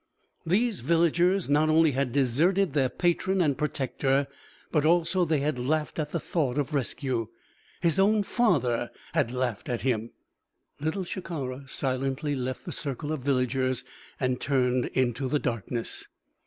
These villagers not only had deserted their patron and protector, but also they had laughed at the thought of rescue! His own father had laughed at him. Little Shikara silently left the circle of villagers and turned into the darkness.